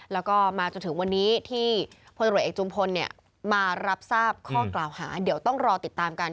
แล้วก็มาจนถึงวันนี้ที่พลตรวจเอกจุมพลมารับทราบข้อกล่าวหาเดี๋ยวต้องรอติดตามกัน